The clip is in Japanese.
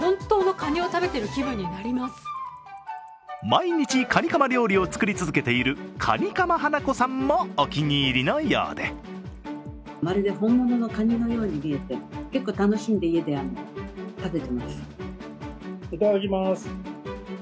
毎日カニカマ料理を作り続けている、カニカマハナコさんもお気に入りのようでまるで本物のカニのように見えて結構楽しんで家で食べてます。